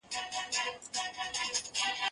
زه به ښوونځی ته تللی وي!.